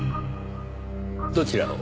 どちらを？